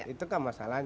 itu kan masalahnya